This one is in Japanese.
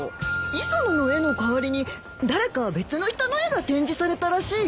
磯野の絵の代わりに誰か別の人の絵が展示されたらしいよ。